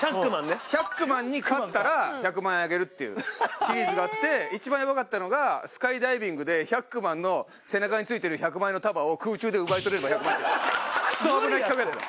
ヒャックマンに勝ったら１００万円あげるっていうシリーズがあって一番やばかったのがスカイダイビングでヒャックマンの背中に付いてる１００万円の束を空中で奪い取れれば１００万円っていうクソ危ない企画やってた。